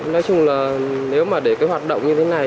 nói chung là nếu mà để cái hoạt động như thế này